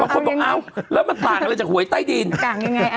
คนบอกเอ้าแล้วมันต่างอะไรจากหวยใต้ดินต่างยังไงอ่ะ